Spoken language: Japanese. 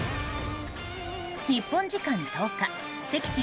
日本時間１０日敵地